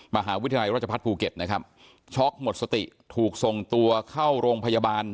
มหาวิทยาลัยราชพัฒน์ภูเก็ตนะครับช็อกหมดสติถูกส่งตัวเข้าโรงพยาบาล